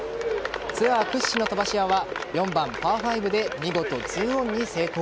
ツアー屈指の飛ばし屋は４番、パー５で見事、ツーオンに成功。